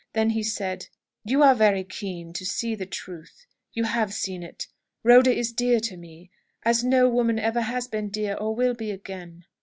Then he said, "You are very keen to see the truth. You have seen it. Rhoda is dear to me, as no woman ever has been dear, or will be again.